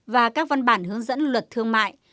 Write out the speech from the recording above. và các văn bản hướng dẫn luật thương mại